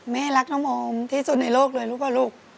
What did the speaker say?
แม่รักน้องโอมที่สุดในโลกเลยรู้ป่ะลูก